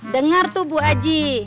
dengar tuh bu haji